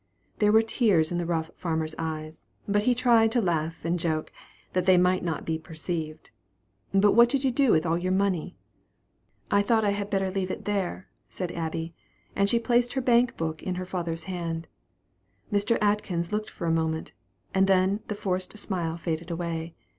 There were tears in the rough farmer's eyes, but he tried to laugh and joke, that they might not be perceived. "But what did you do with all your money?" "I thought I had better leave it there," said Abby, and she placed her bank book in her father's hand. Mr. Atkins looked a moment, and the forced smile faded away.